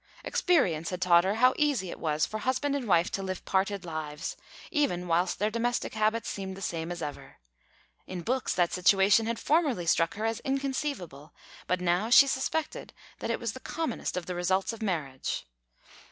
Experience had taught her how easy it was for husband and wife to live parted lives, even whilst their domestic habits seemed the same as ever; in books, that situation had formerly struck her as inconceivable, but now she suspected that it was the commonest of the results of marriage.